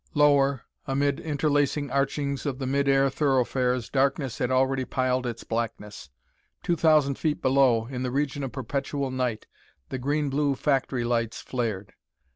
Lower, amid interlacing archings of the mid air thoroughfares, darkness had already piled its blackness. Two thousand feet below, in the region of perpetual night, the green blue factory lights flared.